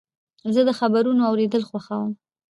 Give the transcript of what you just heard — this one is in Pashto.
زه د خبرونو اورېدل خوښوم.